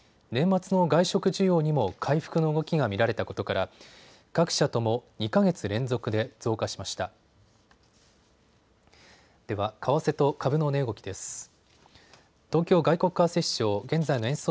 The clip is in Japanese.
年末の外食需要にも回復の動きが見られたことから各社とも２か月連続で増加しました。